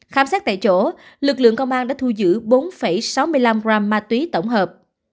khám xét tại chỗ lực lượng công an đã thu giữ bốn sáu mươi năm gram ma túy tổng hợp